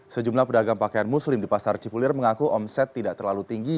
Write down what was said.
sejumlah pedagang pakaian muslim di pasar cipulir mengaku omset tidak terlalu tinggi